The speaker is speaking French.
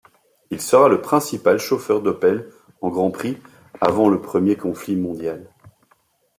Il sera le principal chauffeur d'Opel en Grand Prix avant le premier conflit mondial.